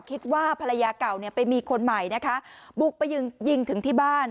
คิดว่าภรรยาเก่าเนี่ยไปมีคนใหม่นะคะบุกไปยิงยิงถึงที่บ้าน